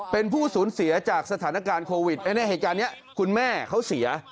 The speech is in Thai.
เป็นผู้สูญเสียจากสถานการณ์โควิดเหตุการณ์นี้คุณแม่เขาเสีย